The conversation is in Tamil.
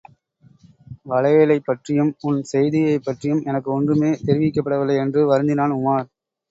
வளையலைப் பற்றியும் உன் செய்தியைப் பற்றியும் எனக்கு ஒன்றுமே தெரிவிக்கப்படவில்லை என்று வருந்தினான் உமார்.